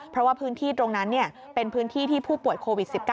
เพราะว่าพื้นที่ตรงนั้นเป็นพื้นที่ที่ผู้ป่วยโควิด๑๙